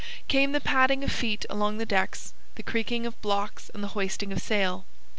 Came the padding of feet along the decks, the creaking of blocks and the hoisting of sail.